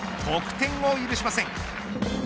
得点を許しません。